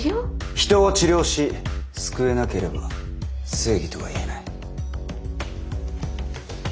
人を治療し救えなければ正義とはいえない。